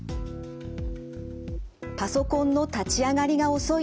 パソコンの立ち上がりが遅い。